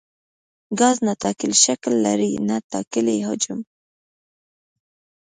ګاز نه ټاکلی شکل لري نه ټاکلی حجم.